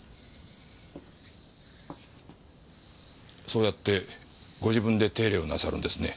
そうやってご自分で手入れをなさるんですね。